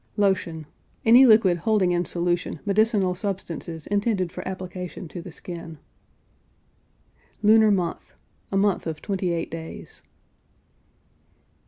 LOTION. Any liquid holding in solution medicinal substances intended for application to the skin. LUNAR MONTH. A month of twenty eight days.